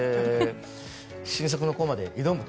新作のコマで挑むと。